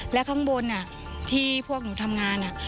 และข้างบนที่พวกหนูทำงาน